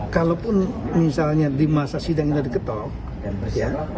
kalaupun misalnya di masa sidangnya sudah diketahui